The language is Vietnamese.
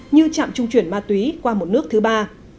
như trạm trung chuyển ma túy qua một nước thứ ba